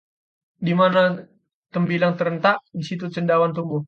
Di mana tembilang terentak, di situ cendawan tumbuh